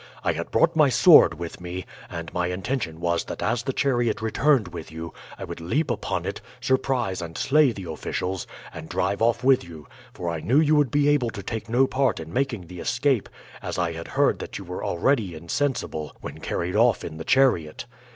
I had brought my sword with me, and my intention was that as the chariot returned with you I would leap upon it, surprise and slay the officials, and drive off with you; for I knew you would be able to take no part in making the escape, as I had heard that you were already insensible when carried off in the chariot.